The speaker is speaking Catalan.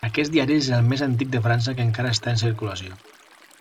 Aquest diari és el més antic de França que encara està en circulació.